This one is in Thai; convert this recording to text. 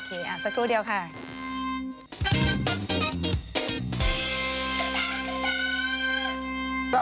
โอเคสักครู่เดียวค่ะ